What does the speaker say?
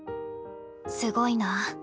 すごいな。